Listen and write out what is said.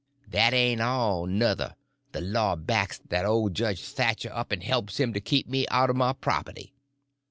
That ain't all, nuther. The law backs that old Judge Thatcher up and helps him to keep me out o' my property.